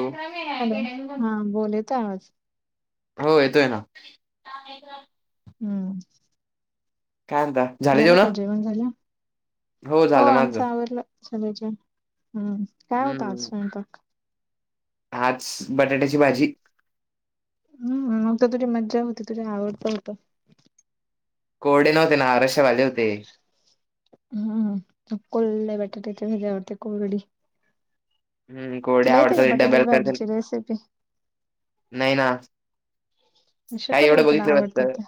[inaudible] Hello. हा बोल. येतो आवाज. हो येतोय ना. [unintelligible] हम्म. काय म्हणता? झालं का जेवण झालं? हो. आमच आवरल सगळ [unintelligible] हम्म. काय होता आज हम्म. स्वयंपाक आज बटाट्याची भाजी. हम्म. मग त तुझी मज्जा होती. तुझ आवडतं होत. [unintelligible] [unintelligible] [unintelligible] तुला येते का नाही बटाट्याची भाजीची रेसिपी ना काय शिकून घे एवढं तुला बघितलं वाटत. आवडतात त्या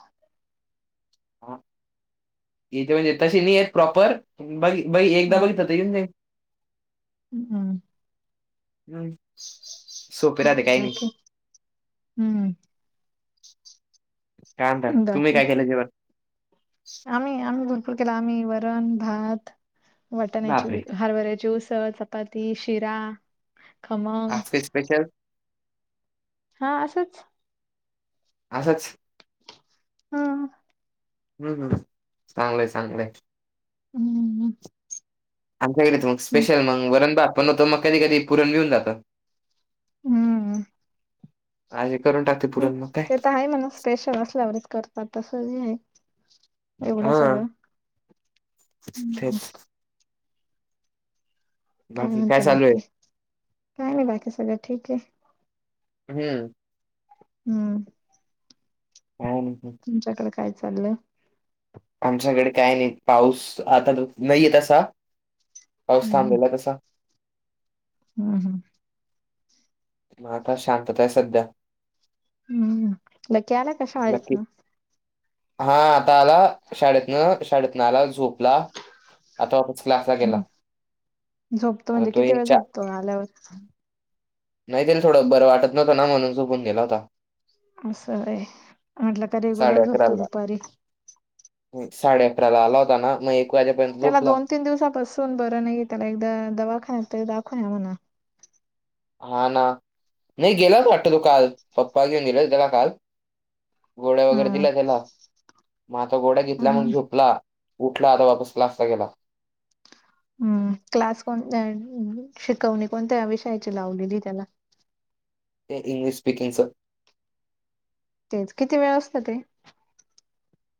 इथे म्हणजे तसे नाही आहे प्रॉपर बघ बई एकदा [unintelligible] हां अ मग काय हम्म काय नाही तुम्ही बाकी काय केलं जेवणं? आम्ही आम्ही गुरपूर केलं आम्ही वरण भात. वाटण्याची बापरे हरबऱ्याची ऊसळ, चपाती, शिरा. खमंग आज काय स्पेशल हा असंच. असंच हां हम्म हम्म चांगलं आहे, चांगलं आहे. हां हां आमच्याकडेच मग स्पेशल मग वरण भात बनवतात मग कधी कधी पुरण विऊन जातं. हम्म हम्म आणि खरं हम ते तर आहे म्हणा स्पेशल असल्यावरच करतात तसं आहे तेवढं हा सगळं तेच काय बाकी म्हणता, चालू आहे? बाकी काय नाही बाकी सगळं ठीक आहे. हम्म हम्म हम्म तुमच्याकडे काय चालु आहे. आमच्याकडे काय नाही, पाऊस आता नाहीय तसा पाऊस थांबलेला तसा. हां हां मग आता शांतता आहे सध्या. नक्की [unintelligible] हा आता आला शाळेतनं शाळेतनं आला झोप- ला आता ऑफीस क्लासला गेला हम्म आता तो यायच्या - तो आल्यावर नाही त्याला थोडं बरं वाटत नव्हतं ना म्हणून झोपून गेला होता. असं होय म्हटलं का साडे रेग्युलर झोपतो अकराला दुपारी. साडे अकराला आला होता ना, मग एक वाजेपर्यंत त्याला झोपला. दोन तीन दिवसापासून बरं नाही त्याला एकदा दवाखान्यात दाखवून या म्हणा. हा ना नाही गेला वाटत तो काल पप्पा घेऊन गेले होते काल. गोळ्या वगैरे हा दिल्या त्याला मग आता गोळ्या घेतलानंतर झोपला. उठला आता वापस क्लासला गेला. हम्म क्लास कोणता आहे, शिकवणी कोणत्या विषयाची लावलेली त्याला? ते इंग्लिश स्पीकिंगचं. तेच किती वेळ असतं ते?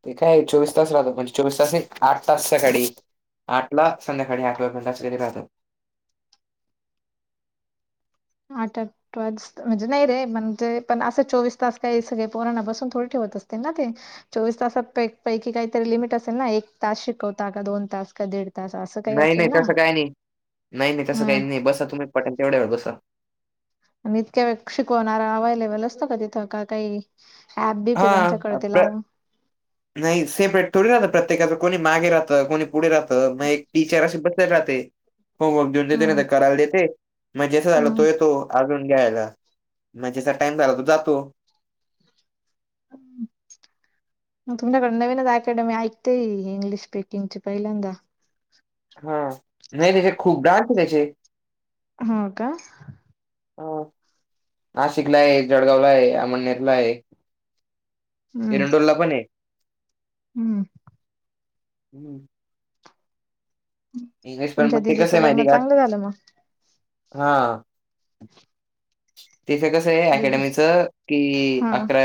ते काय चोवीस तास राहतो म्हणजे चोवीस तासात एक आठ तासासाठी. आठला संध्याकाळी आठ वाजून [unintelligible] आटक ट्वेल्स, म्हणजे नाही रे, म्हणजे पण असं चोवीस तास काही सगळे पोरांणा बसून थोडी ठेवत असते ना ते. चोवीस तासा पैकी काहीतरी लिमिट असेल ना. एक तास शिकवता का. दोन तास. का दीड तास असं काही नाही असेल नाही ना तस काही नाही. नाही नाही तस हा काहीच नाही. बसा तुम्ही पटाल तेवढ्या वेळ बसा. आणि इतक्या वेळ शिकवणार अवलेबल असतो का तिथ. का काही ऍप बीप हा. त्यांच्याकडे ते प्र लावून नाही सेपरेट थोडी राहत प्रत्येकाच. कोणी मागे राहत. कोणी पुढे राहत. मग एक टीचर अशी बसलेली राहते. होमवर्क देऊन देते. नाही हम्म तर करायला देते. मग ज्याच झाल तो हम्म येतो अजून घ्यायला. म ज्याचा टाइम झाला तो जातो. [inaudible] ग तुमच्याकडे नवीनच अकॅडमी ऐकते आहे इंग्लिश स्पीकिंगची पहिल्यांदा. हा, नाही त्याचे खूप डार्क आहे त्याचे. हो का ह, नाशिकला आहे. जळगावला आहे. अमळनेरला आहे. हम्म एरंडोरला पण आहे. हम्म हम्म इंग्लिश पण तुमच्या म ते कस दिदीचं आहे लग्न माहिती का. चांगलं झालं मग हा तिथ कस आहे दिदी अकॅडमीच की हा अकरा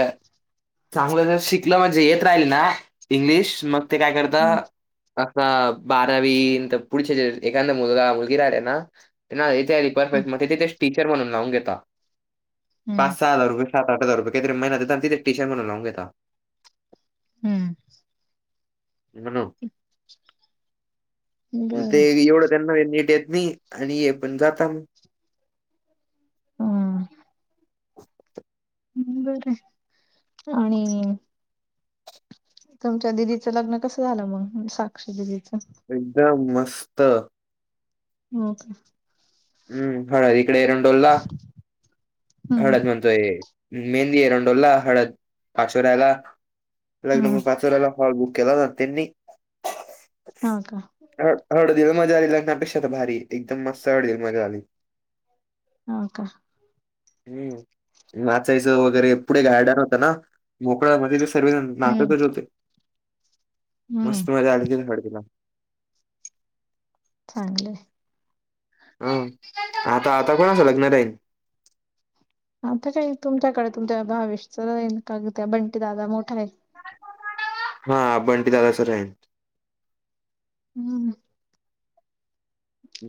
चांगल जर शिकल म्हणजे येत राहिल ना इंग्लिश मग ते काय करता हम्म आता बारावी येईन तर पुढच्या जे एखादा मुलगा मुलगी रायल ना त्यांना त्या हम्म. डिपार्टमेंट मध्ये तिथे टीचर म्हणून लावून घेता. पाच हम्म सहा हजार रुपये, सात आठ हजार रपये काही तरी महिना देतात. आणि तिथे टीचर म्हणून लावून घेता. हम्म म्हणु, ते बर एवढ त्यांनाही नीट येत नाही. आणि हे पण जाता मग. हा [inaudible] हम्म, बर आहे. आणि तुमच्या दिदीच लग्न कस झाल मग, साक्षी दिदीच. एकदम मस्त. हो का हम्म हळद इकडे येरंडोलला. [inaudible] हळद म्हणतोय. मेहंदी एरंडोलला. हळद पाचोऱ्याला. एक हम्म नबर पाचोर्‍याला हॉल बुक केला होता ना त्यांनी. हा का ह हडदीला मजा आली लग्ना पेक्षा त भारी. एकदम मस्त हडदीला मजा आली. हो का हम्म, नाचायच वगैरे पुढे गार्डन होत ना मोकळ. मग तीथे सर्वेजन हम्म नाचतच होते. हम्म मस्त मजा आली हळदिला. चांगल आहे. ह, आता आता कोणाच लग्न राहिल. आता काय तुमच्याकडे तुमच्या भावेशच राहील. का त्या बंटी दादा मोठा आहे. हा बंटी दादाच राहील. हम्म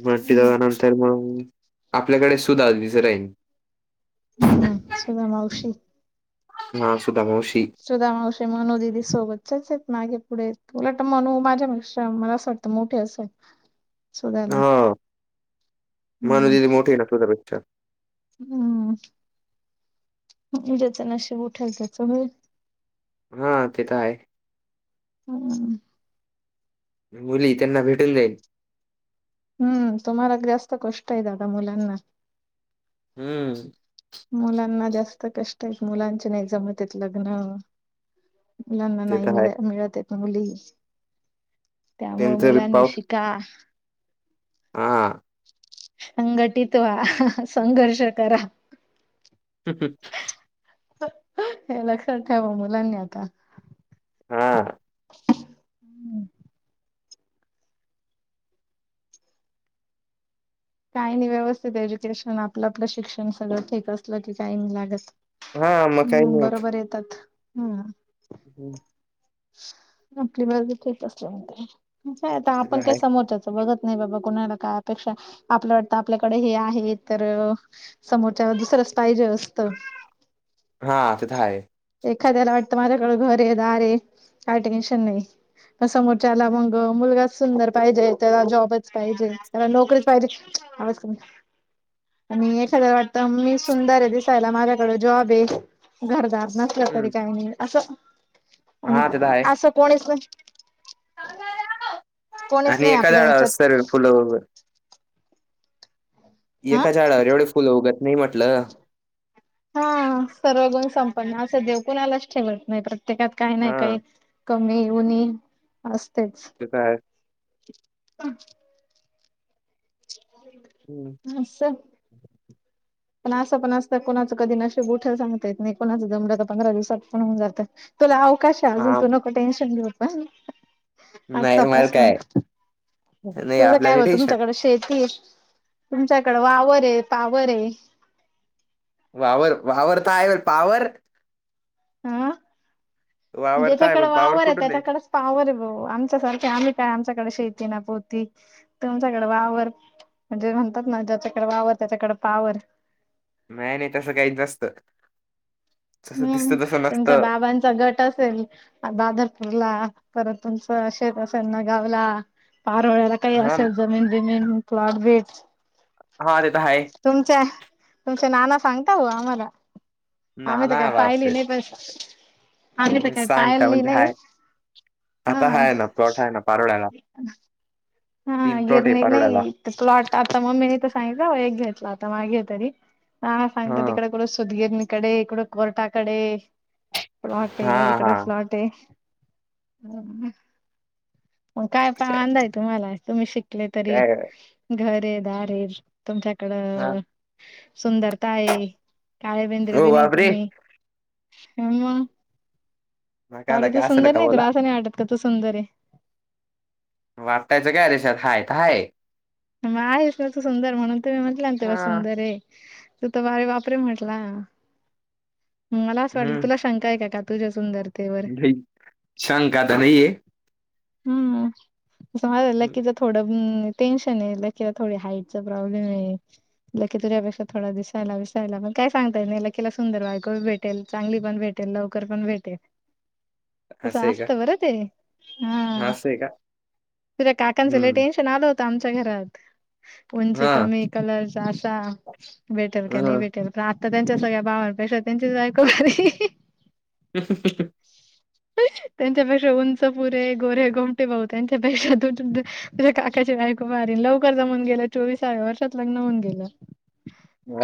मटठी हम्म दनंतर मग आपल्याकडे सुध रविच राहीली. हम्म हम सुगा मावशी. हा सुधा मवशी सुधा मावशी मनू दिदी सोबतच्याचेत मागे पुढे उलट मनू माझ्या मिस्त्रान मला अस वाटत मोठे असं सुधाला मणू हम्म दिदी मोठी आहे ना तुझ्या पेक्षा हम्म ज्याच नशब उठेल त्याच होईल हा ते तर आहे हम् मुली त्यांना भेटून जाईल हम्म तुम्हाला जास्त कष्ट आहे दादा मुलांना हम्म मुलांना जास्त कष्ट आहेत मुलांचे नाही जमतेत लग्न. लग्न ते नाही तर मिळ आहे. मिळतेत ना मुली त्यामुळे त्यांचा बी मुलांनी शिका. हा संघटित व्हा संघर्ष करा. ककत हे लक्षात ठेवा मुलांनी आता हा काही नाही व्यवस्थित एज्युकेशन आपलं आपलं शिक्षण सगळं ठीक असलं की काही नाही लागत. हां, मग काही हम्म नाही बरोबर येतात हम्म हम् आपली बाजू ठीक असल्या म्हण काय आता ते तर आपण काही आहे. समोरच्या बघत नाही बाबा कुणाला काय अपेक्षा आपल् वाटतं आपल्याकडे हे आहे तर. समोरच्याला दुसरंच पाहिजे असतं. हा ते तिथं आहे. एखाद्याला वाटतं माझ्याकडें घर आहे दार काय टेन्शन नाही. समोरच्याला मग मुलगा सुंदर पाहिजे त्याला जॉबच पाहिजे त्याला नोकरीच पाहिजे. असं आणि एखादं वाटतं मी सुंदर आहे दिसायला माझ्याकड जॉब आहे घरदार न क तरी हं. काही नाही असं आणि हां, ते तर आहे. असं कोणीच कोणीच आणि नाही एका आपल्या झाडावर ह्याच्यात. सर्व फुलं उग हा एका झाडावर एवढे फुलं उगत नाही म्हटलं. हा सर्व गुण संपन्न असं देव कुणालाच ठेवत नाही प्रत्येकात काही नाही हां. काही कमी उनि असतेच. कसं हाय हम हम् हम्म हस पण असं पण असत कोणाचं कधी नशीब उठल सांगता येत नाही कोणाचं जमलं तर पंधरा दिवसात पण होऊन जातं तुला अवकाश आहे अजून हां. तू नको टेन्शन घेऊ आता नाही मला काय आतापासनच नाही तुझं काय आपल्याला बा टेन्शन. तुमच्याकडे शेती हाय तुमच्याकडे वावर आहे पावर आहे वावर वावर तर आहे पावर हा वावर तर आहे ज्यांच्याकडे पण पॉवर वावर हाय कुठून आहे? त्यांच्याकडेच पावर आहे भाऊ आमच्यासारखे आम्ही काय आमच्याकडे शेती ना पोती तुमच्याकडे वावर म्हणजे म्हणतात ना ज्यांच्याकडे वावर त्यांच्याकडे पावर नाही नाही तसं काहीच नसतं जसं हम्म दिसतं तसं तुमच्या नसतं. बाबांचा गट असेल दादरपूरला परत तुमचं शेत असेल ना गावला पारोळ्याला काही हां, असेल जमीन बिमीन प्लॉट बिट हा तिथं हाय तुमच्या तुमच्या नाना सांगता हो आम्हांला आम्ही तर काय नाना पाहिलील बापरे! [inaudible] आम्ही मी तर सांग काय म्हणते हाय [inaudible] हा आता [unintelligible] हा तीन प्लॉट आहे गिरणी पारोड्याला नाही प्लॉट आता मम्मीनी तर सांगितलं एक घेतला आता मागे तरी हां सांगत हा तिकड कुठं सुत गिरणी कडे इकडं कोर्टाकडे फ्लाॅट हा हाय हा इकडे फ्लॉट आहे मग काय [inaudible] तुम्हांला तुम्ही शिकले तरी काय- घर हाय दारं हाय तुमच्याकडं हा सुंदरता आहे काळे बेंद्रे हो बी बापरे तुम्ही मग मग काय आला [inaudible] काय असलं सुंदर का नाही बोला तुला असं नाही वाटत का तू सुंदर हाय वाटायचं काय रेशात हाय तर हाय मग आहेस ना त सुंदर म्हणून तुम्ही म्हटलं ना तुला हा सुंदर हाय तू तर वारे बापरे म्हटला मला असं वाटलं हम्म तुला शंका आहे का का तुझ्या सुंदर नाही शंका तर नाहीये हम्म तसं हम्म, लकीच थोडं टेन्शन त्यानी लकीला थोडी हाईटचा प्रॉब्लेम हाय लकी तुझ्यापेक्षा थोडा दिसायला विसायला पण काय सांगता पण येत नाही लककीला सुंदर बायको भे त्याला चांगली पण भेटेल लवकर पण भेटेल तसं असं आहे का असतं बरं ते हा असं आहे का तुझ्या काकांचं लय हम्म टेन्शन आलं हो घरात उंची हा कमी कलर असा भेटेल का नाही हा. भेटेल पण तर त्यांच्या सगळ्या भावांपेक्षा त्यांचीच बायको बरी [unintelligible] त्यांच्यापेक्षा उंच पुरे गोरे गोमटे भाऊ त्यांच्यापेक्षा त तुझ्या काकांची बायको भारी लवकर जमून गेलं चोवीसाव्या वर्षात लग्न होऊन गेलं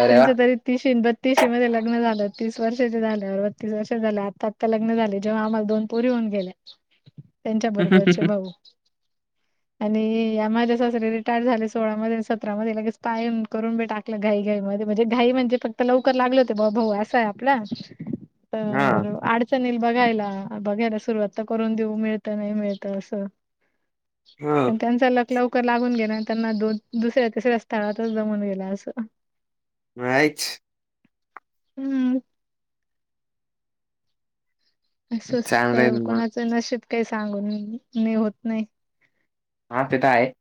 अरे वा त्यांचं तरी तिश ब तिसी मध्ये लग्न झालं तीस वर्षाचे झाल्यावर बत्तीस वर्षा झाल्यावर आता आता लग्न झालंय जेव्हा आम्हाला दोन पोरी होऊन गेल्या त्यांच्या बरोबरचे भाऊ आणि या माझ्या सासरे रिटायर झाले सोळा मधेन सतरा मध्ये लगेच स् पाईन करून बी टाकलं. घाईाई मधे म्हणजे घाई म्हणजे फक्त लवकर लागले होते बा. भाऊ असाय आपला. हा तर आड चन येईल बघायला. बघायला सुरुवात त करून देऊ. मिळत नाही मिळत असं. हा पण त्यांचा लक क लागून गेलान. त्यांना दोन दुसऱ्या तिसऱ्या स्थळातच जमून गेला असं. [unintelligible] हम्म. चांगलं आहे ना असंच मग कुणाचं नशीब काही सांगून नाही होत नाही. हा तेथ हाये.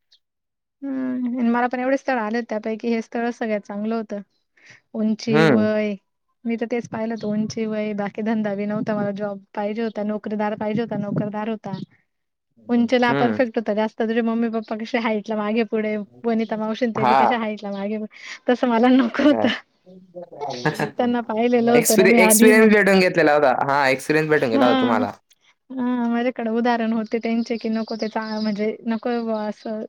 हम्म मला पण एवढे स्थळ आले होते. त्यापैकी हे स्थळच सगळ्यात चांगलं होत. उची, हम्म वय मी तर तेच पाहिलं होत. उंची, वय बाकीधंदा बी नव्हता, मला जॉब पाहिजे होता. नो नोकरीदार पाहिजे होता. नोकरदार होता. [inaudible] उंचेेला हम्म परफेक्ट होता जास्त्. तुझे मम्मी पप्पा कसे हईटला मागे पुढे. वनिता मावशीन ते बी हा कशे हाईटला मागे. तस मला नव काय [inaudible] त्यांना पाहिलेलं एक्स होतं ना मी आधी एक्सपिरियंस मग भेटून घेतलेला होता. हा एक्सपिरय्स भेटून गेला होता हा तम्हाला. हा माझ्याकडें उदाहरण होते त्यांचे. की नको तेचा म्हणजे नकोय बा असं.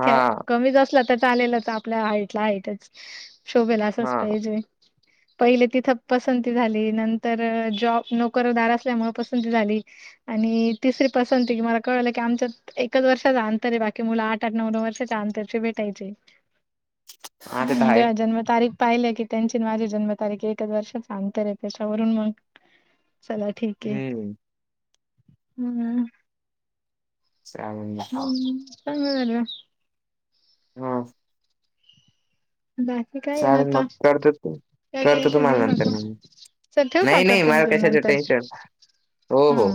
हा कमीच असल्या त चालेलच. आपल्या हईटला हईटच. शोभेल असंच हा पाहिजे. [inaudible] पहिले तिथं पसंती झाली. नंतर जॉब नोकरदार असल्यामुळे पसंती झाली. आणि तिसरी पसंती की मला कळलं की, आमच्यात एकच वर्षाचा अंतरे. बाकी मुलं आठ नऊ नऊ वर्षाच्या अंतरचे भेटायचे. हा ते तर म्हणजे आहे जन्मतारीख पाहिलं की त्यांचीन माझी जन्मतारीख एच वर्षाच अंतरे. त्याच्यावरून मग चला ठीके. हम्म हम्म. चागल. हम्म चांगलं झालं. हो. [unintelligible] चालेल आता मग, करतो तू, काय करतो टेन्शन घेऊ तुम्हाला नंतर नको मग मी. चल ठेवू का नाही नाही करते मला मी तुला कशाच नंतर टेन्शन. हो हो. हा